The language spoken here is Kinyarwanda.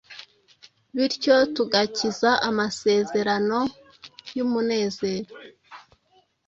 bityo tugakiza amasezerano yumunezero